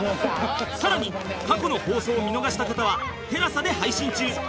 更に過去の放送を見逃した方はテラサで配信中